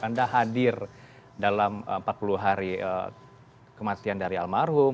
anda hadir dalam empat puluh hari kematian dari almarhum